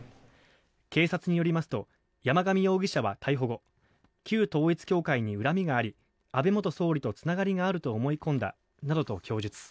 警察によりますと山上容疑者は逮捕後旧統一教会に恨みがあり安倍元総理とつながりがあると思い込んだなどと供述。